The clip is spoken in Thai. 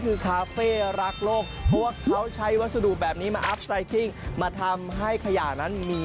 คือคาเฟ่รักโลกเพราะว่าเขาใช้วัสดุแบบนี้มาอัพไซคิ้งมาทำให้ขยะนั้นมี